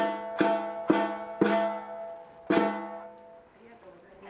ありがとうございます。